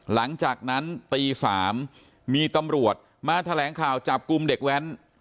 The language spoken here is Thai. หลังจากนั้นตี๓มีตำรวจมาแถลงข่าวจับกลุ่มเด็กแว้น